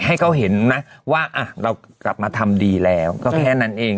ให้เขาเห็นนะว่าเรากลับมาทำดีแล้วก็แค่นั้นเอง